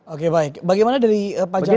oke baik bagaimana dari pak jaya